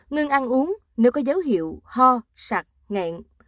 ngừng ăn uống nếu có dấu hiệu ho sạc nghẹn